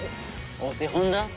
お手本だ？